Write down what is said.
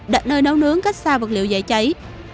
đặt nơi nấu nướng cách xa vật liệu dễ cháy